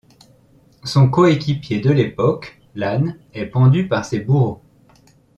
Son coéquipier de l'époque, Lan, est pendu par ses bourreaux.